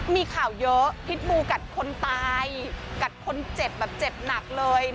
มีข่าวเยอะพิษบูกัดคนตายกัดคนเจ็บแบบเจ็บหนักเลย